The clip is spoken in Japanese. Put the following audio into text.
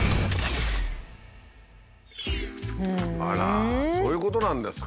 あらそういうことなんですか。